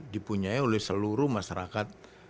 dipunyai oleh seluruh masyarakat